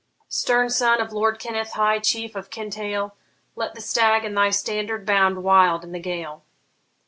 Stern son of Lord Kenneth, high chief of Kintail, Let the stag in thy standard bound wild in the gale!